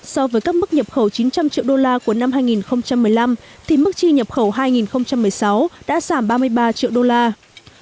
so với các mức nhập khẩu chín trăm linh triệu đô la của năm hai nghìn một mươi năm thì mức chi nhập khẩu hai nghìn một mươi sáu đã giảm ba mươi